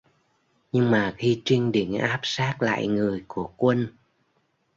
Nhưng mà khi trinh định áp sát lại người của quân